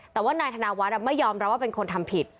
แต่ว่านายธนวัฒน์ไม่ยอมรับว่าเป็นคนทำผิด